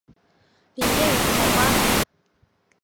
里面有海瓜子